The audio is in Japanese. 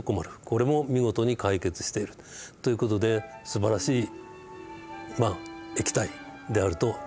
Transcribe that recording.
これも見事に解決しているという事ですばらしい液体であると思います。